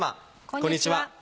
こんにちは。